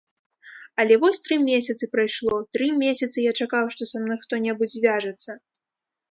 Але вось тры месяцы прайшло, тры месяцы я чакаў, што са мной хто-небудзь звяжацца.